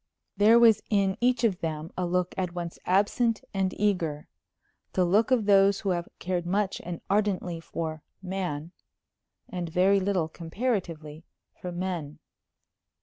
There was in each of them a look at once absent and eager the look of those who have cared much and ardently for "man," and very little, comparatively, for men.